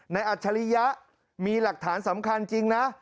อัจฉริยะมีหลักฐานสำคัญจริงนะ